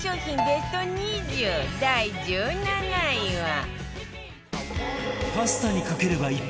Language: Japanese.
ベスト２０第１７位は